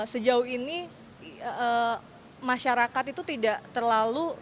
sejauh ini masyarakat itu tidak terlalu